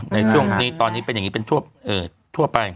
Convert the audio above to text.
ในช่วงนี้ตอนนี้เป็นอย่างนี้เป็นทั่วไป